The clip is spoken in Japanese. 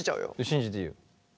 信じていいよ。